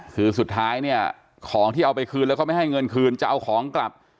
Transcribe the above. คือสุดท้ายเนี่ยของที่เอาไปคืนแล้วเขาไม่ให้เงินคืนจะเอาของกลับ